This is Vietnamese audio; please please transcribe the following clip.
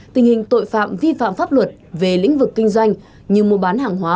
tình hình tội phạm vi phạm pháp luật về lĩnh vực kinh doanh như mua bán hàng hóa